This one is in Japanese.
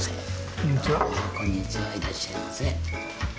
こんにちはいらっしゃいませ。